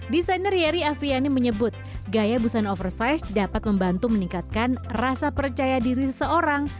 desainer yeri afriani menyebut gaya busana oversize dapat membantu meningkatkan rasa percaya diri seorang